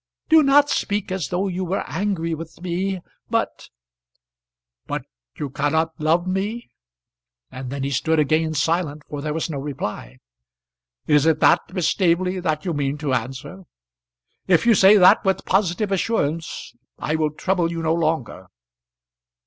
Do not speak as though you were angry with me. But " "But you cannot love me?" And then he stood again silent, for there was no reply. "Is it that, Miss Staveley, that you mean to answer? If you say that with positive assurance, I will trouble you no longer."